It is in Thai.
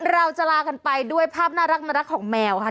เราจะลากันไปด้วยภาพน่ารักของแมวค่ะ